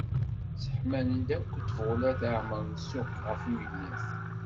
Sseḥman-d akk ṭbulat, ԑemren ssuq γef uyennat.